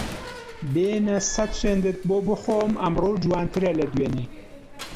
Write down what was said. بێنە سەد سوێندت بۆ بخۆم ئەمڕۆ جوانترە لە دوێنێ